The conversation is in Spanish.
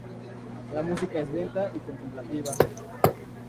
La música es lenta y contemplativa.